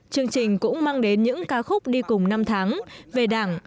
chương trình cũng mang đến những ca khúc đi cùng năm tháng về đảng